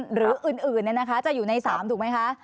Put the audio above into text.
หรืออื่นเนี่ยนะคะจะอยู่ใน๓ถูกไหมคะ